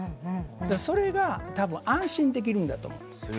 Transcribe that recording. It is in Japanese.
それが多分安心できるんだと思うんですよ。